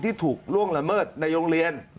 ที่ถูกล่วงละเมิดในโรงเรียน